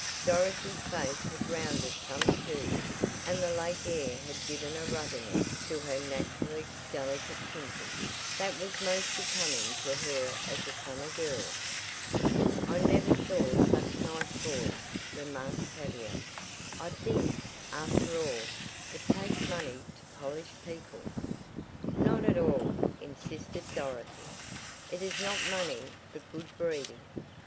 Dorothy's face had rounded some too, and the Lake air had given a ruddiness to her naturally delicate tinting, that was most becoming to her as a summer girl. "I never saw such nice boys," remarked Tavia, "I think, after all, it takes money to polish people." "Not at all," insisted Dorothy. "It is not money but good breeding.